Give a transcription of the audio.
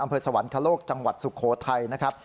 สวรรคโลกจังหวัดสุโขทัยนะครับ